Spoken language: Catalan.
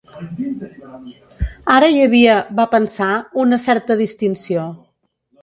Ara hi havia, va pensar, una certa distinció.